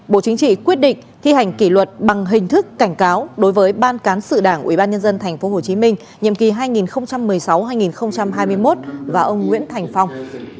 bộ chính trị quyết định thi hành kỷ luật bằng hình thức cảnh cáo đối với ban cán sự đảng ubnd tp hcm nhiệm kỳ hai nghìn một mươi sáu hai nghìn hai mươi một và ông nguyễn thành phong